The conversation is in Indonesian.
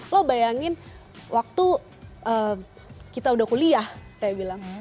lo bayangin waktu kita udah kuliah saya bilang